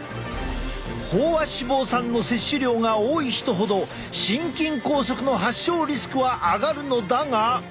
飽和脂肪酸の摂取量が多い人ほど心筋梗塞の発症リスクは上がるのだが。